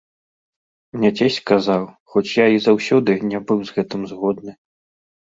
Мне цесць казаў, хоць я і заўсёды не быў з гэтым згодны.